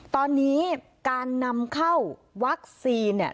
ตอนนี้การนำเข้าวัคซีนเนี่ย